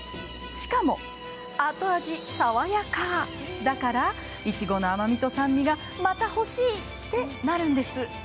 しかも、後味爽やかだからいちごの甘みと酸味がまた欲しい！ってなるんです。